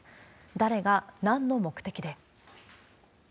誰がなんの目的で。